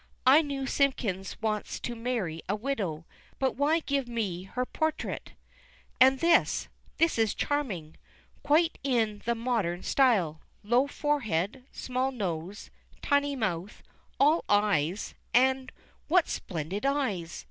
I know Simpkins wants to marry a widow, but why give me her portrait? And this this is charming! Quite in the modern style low forehead, small nose, tiny mouth, all eyes, and what splendid eyes!